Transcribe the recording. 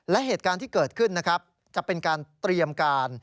และเหตุการณ์ที่เกิดขึ้นนะครับจะเป็นการเตรียมการ